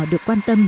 được quan tâm